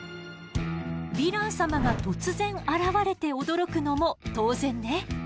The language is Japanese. ヴィラン様が突然現れて驚くのも当然ね。